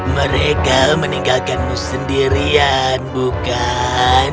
mereka meninggalkanmu sendirian bukan